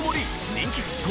人気沸騰！